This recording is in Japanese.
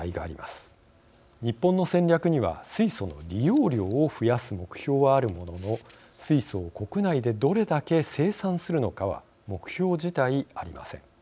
日本の戦略には水素の利用量を増やす目標はあるものの水素を国内でどれだけ生産するのかは目標自体ありません。